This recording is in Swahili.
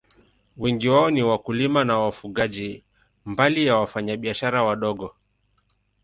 Wengi wao ni wakulima na wafugaji, mbali ya wafanyabiashara wadogo.